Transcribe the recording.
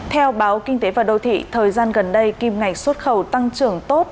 theo báo kinh tế và đô thị thời gian gần đây kim ngạch xuất khẩu tăng trưởng tốt